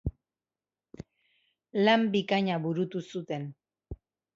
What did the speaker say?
Lan bikaina burutu zuten.